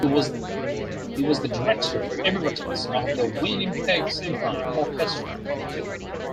He was the Director Emeritus of the Winnipeg Symphony Orchestra.